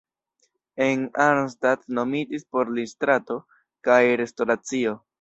En Arnstadt nomitis por li strato kaj restoracio.